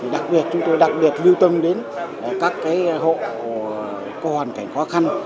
đặc biệt chúng tôi đặc biệt lưu tâm đến các hộ có hoàn cảnh khó khăn